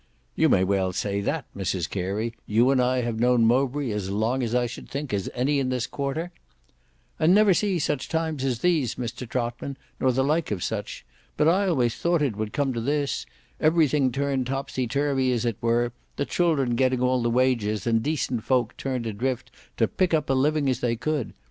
"You may well say that Mrs Carey; you and I have known Mowbray as long I should think as any in this quarter—" "And never see such times as these Mr Trotman, nor the like of such. But I always thought it would come to this; everything turned topsy turvy as it were, the children getting all the wages, and decent folk turned adrift to pick up a living as they could.